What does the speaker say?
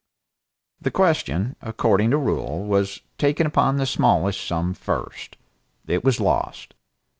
The question, according to rule, was taken upon the smallest sum first. It was lost.